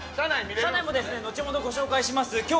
車内も後ほど御紹介します。